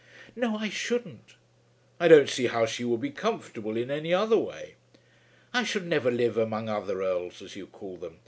"No; I shouldn't." "I don't see how she would be comfortable in any other way." "I should never live among other Earls, as you call them.